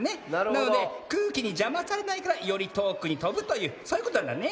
なのでくうきにじゃまされないからよりとおくにとぶというそういうことなんだね。